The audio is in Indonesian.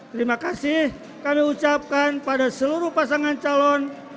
terima kasih kami ucapkan pada seluruh pasangan calon